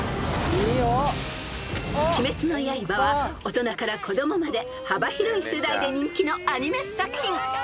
［『鬼滅の刃』は大人から子供まで幅広い世代で人気のアニメ作品］